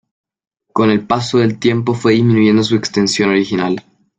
Con el paso del tiempo fue disminuyendo su extensión original.